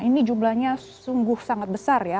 ini jumlahnya sungguh sangat besar ya